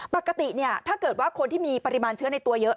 ปกติถ้าเกิดว่าคนที่มีปริมาณเชื้อในตัวเยอะ